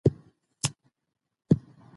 ځینې د کاپي حق یادونه کوي.